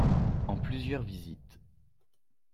En plusieurs visites.